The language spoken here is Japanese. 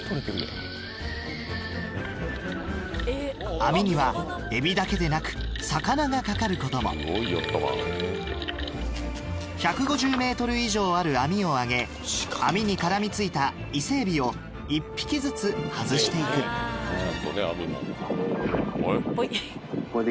網にはえびだけでなく魚がかかることも１５０ｍ以上ある網を上げ網に絡み付いた伊勢えびを１匹ずつ外して行くこれで。